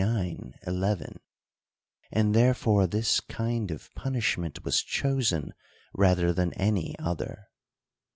11); and therefore this kind of punishment was chosen rather than any other.